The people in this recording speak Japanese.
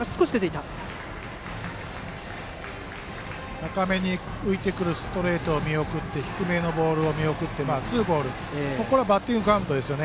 高めに浮いてくるストレートを見送って低めのボールを見送ってツーボールなのでバッティングカウントです。